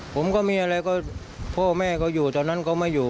ผมก็มีอะไรก็พ่อแม่เขาอยู่ตอนนั้นเขาไม่อยู่